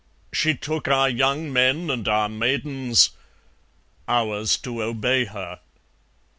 She took our young men and our maidens; ours to obey Her.